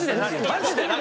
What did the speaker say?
マジで何？